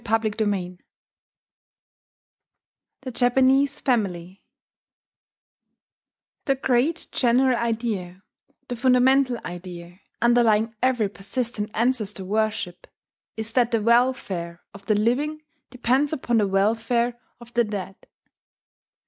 ] THE JAPANESE FAMILY The great general idea, the fundamental idea, underlying every persistent ancestor worship, is that the welfare of the living depends upon the welfare of the dead.